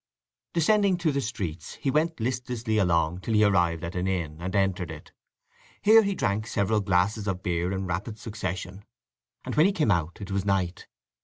Descending to the streets, he went listlessly along till he arrived at an inn, and entered it. Here he drank several glasses of beer in rapid succession, and when he came out it was night.